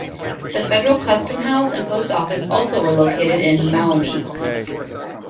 The federal custom house and post office also were located in Maumee.